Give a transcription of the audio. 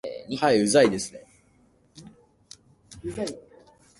はい、うざいですね